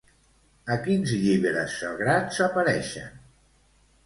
A quins llibres sagrats apareixen?